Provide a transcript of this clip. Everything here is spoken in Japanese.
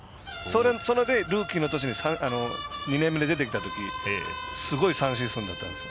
それでルーキーの年に２年目で出てきたときすごい三振数だったんですよ。